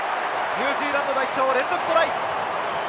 ニュージーランド代表、連続トライ！